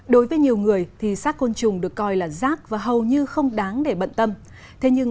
đối với nhiều người thì xác côn trùng được coi là rác và hầu như không đáng để bận tâm thế nhưng